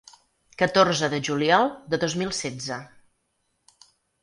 Catorze de juliol de dos mil setze.